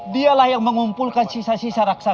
dialah yang mengumpulkan sisa sisa raksasa